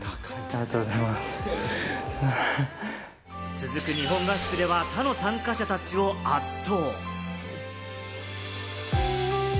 続く日本合宿では他の参加者たちを圧倒。